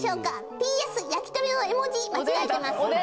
「ＰＳ：焼き鳥の絵文字間違えてます」